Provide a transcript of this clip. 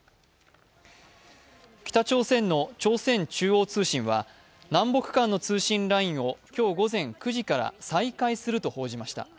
北朝鮮の朝鮮中央通信は、南北間の通信ラインを今日午前９時から再開すると報じました。